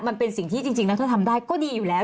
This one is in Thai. มันเป็นสิ่งที่จริงแล้วถ้าทำได้ก็ดีอยู่แล้ว